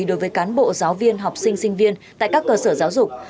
đối với cán bộ giáo viên học sinh sinh viên tại các cơ sở giáo dục